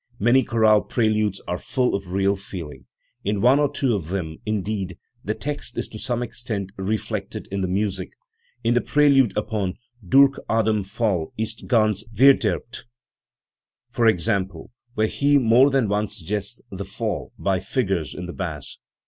Many chorale preludes are full of real feeling; in one or two of them, indeed, the text is to some extent reflected in the music, *~ in the prelude upon "Durch Adams Fall ist ganz vcrderbt", for example, where he more than once suggests the "fall" by figures in the bass.